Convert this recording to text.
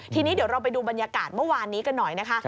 ทีนี้เดี๋ยวเราไปดูบรรยากาศเมื่อวานนี้กันหน่อยนะคะ